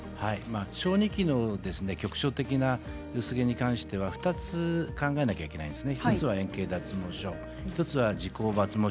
小児期の局所的な薄毛に関しては２つ考えなければいけませんね。